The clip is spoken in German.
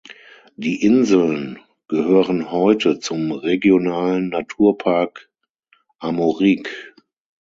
Die Inseln gehören heute zum Regionalen Naturpark Armorique.